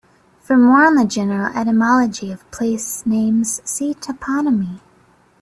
For more on the general etymology of place names see toponymy.